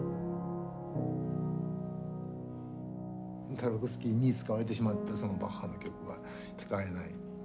タルコフスキーに使われてしまったそのバッハの曲は使えない。